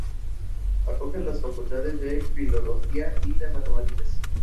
De esta manera, la banda llegó a tocar en el legendario "'Olympia" de París.